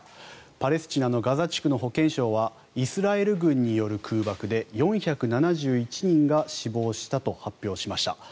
パレスチナのガザ地区の保健省はイスラエル軍による空爆で４７１人が死亡したと発表しました。